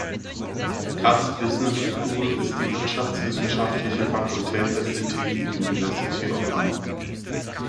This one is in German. Cass Business School ist die wirtschaftswissenschaftliche Fakultät der City, University of London.